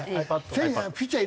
選手ピッチャー